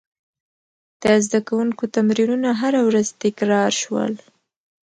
د زده کوونکو تمرینونه هره ورځ تکرار شول.